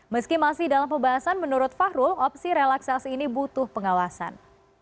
meski masih dalam pembahasan menurut fahrul opsi relaksasi ini butuh pengawasan